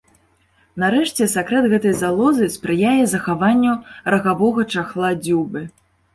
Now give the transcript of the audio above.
Нарэшце, сакрэт гэтай залозы спрыяе захаванню рагавога чахла дзюбы.